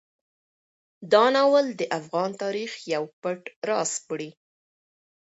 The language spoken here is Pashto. دا ناول د افغان تاریخ یو پټ راز سپړي.